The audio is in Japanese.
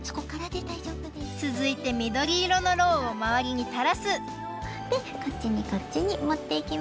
つづいてみどりいろのろうをまわりにたらすでこっちにこっちにもっていきます。